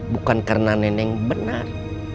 bukan karena nenek benar